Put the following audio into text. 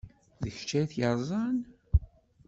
D kečč ay t-yerẓan?